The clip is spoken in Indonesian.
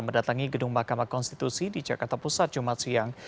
mendatangi gedung mahkamah konstitusi di jakarta pusat jumat siang